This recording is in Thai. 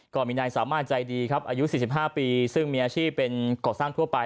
ก็มีนายสามารถใจดีครับอายุ๔๕ปีซึ่งมีอาชีพเป็นก่อสร้างทั่วไป